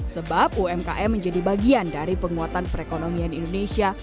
sebab umkm menjadi bagian dari penguatan perekonomian indonesia